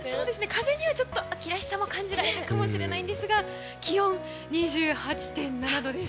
風には秋らしさも感じられるかもしれませんが気温２８．７度です。